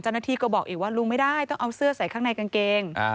เจ้าหน้าที่ก็บอกอีกว่าลุงไม่ได้ต้องเอาเสื้อใส่ข้างในกางเกง